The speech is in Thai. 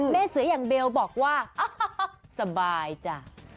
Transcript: แม่เสืออย่างเบลบอกว่าสบายจ้ะ